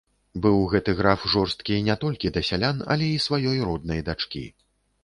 Быў гэты граф жорсткі не толькі да сялян, але і сваёй роднай дачкі.